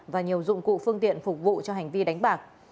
và nhiều dụng cụ phương tiện phục vụ cho hành vi đánh bạc